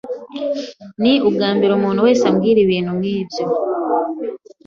Ni ubwambere umuntu wese ambwira ibintu nkibyo.